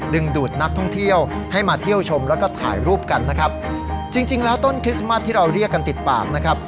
ดึงดูดนักท่องเที่ยวให้มาเที่ยวชมแล้วก็ถ่ายรูปกันนะครับจริงจริงแล้วต้นคริสต์มัสที่เราเรียกกันติดปากนะครับ